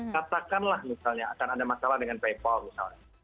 katakanlah misalnya akan ada masalah dengan paypal misalnya